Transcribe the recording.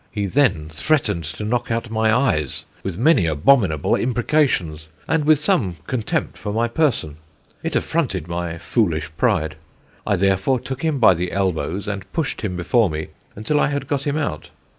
He then threatened to knock out my eyes, with many abominable imprecations, and with some contempt for my person; it affronted my foolish pride. I therefore took him by the elbows, and pushed him before me until I had got him out.